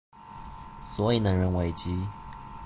所以能源危機